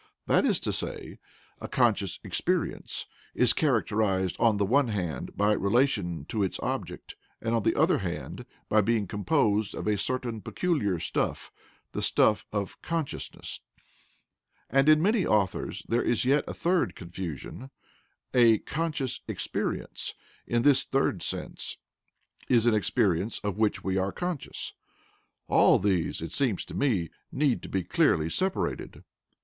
That is to say, a "conscious experience" is characterized on the one hand by relation to its object and on the other hand by being composed of a certain peculiar stuff, the stuff of "consciousness." And in many authors there is yet a third confusion: a "conscious experience," in this third sense, is an experience of which we are conscious. All these, it seems to me, need to be clearly separated.